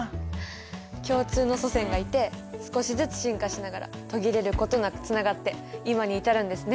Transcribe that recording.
共通の祖先がいて少しずつ進化しながら途切れることなくつながって今に至るんですね。